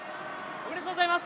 おめでとうございます。